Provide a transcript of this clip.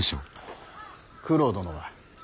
九郎殿は。